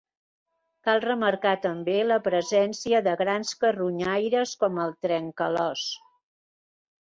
Cal remarcar també la presència de grans carronyaires com el trencalòs.